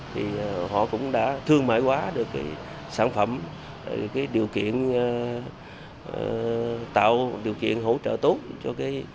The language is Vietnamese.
thì họ cũng đã thương mại quá được cái sản phẩm cái điều kiện tạo điều kiện hỗ trợ tốt cho cái